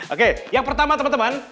oke yang pertama teman teman